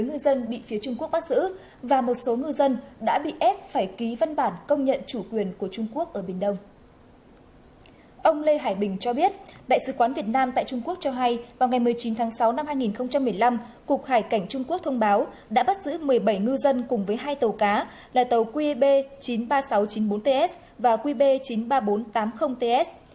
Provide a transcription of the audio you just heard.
ngày một mươi chín tháng sáu năm hai nghìn một mươi năm cục hải cảnh trung quốc thông báo đã bắt giữ một mươi bảy ngư dân cùng với hai tàu cá là tàu qeb chín mươi ba nghìn sáu trăm chín mươi bốn ts và qeb chín mươi ba nghìn bốn trăm tám mươi ts